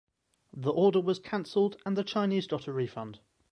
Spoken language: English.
The order was cancelled and the Chinese got a refund.